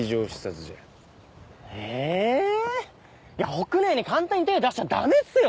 北根壊に簡単に手ぇ出しちゃダメっすよ！